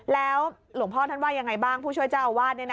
แล้วหลวงพ่อท่านว่ายังไงบ้างผู้ช่วยเจ้าอาวาส